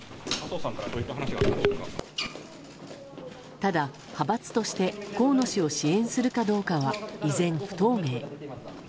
ただ、派閥として河野氏を支援するかどうかは依然不透明。